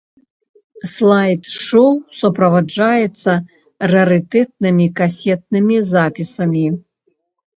Слайд-шоў суправаджаецца рарытэтнымі касетнымі запісамі.